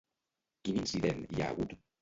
Quin incident hi ha hagut?